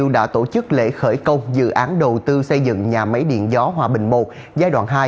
để khởi công dự án đầu tư xây dựng nhà máy điện gió hòa bình i giai đoạn hai